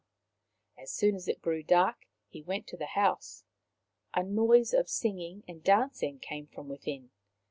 As soon as it grew dark he went to the house. A noise of singing and dancing came from within.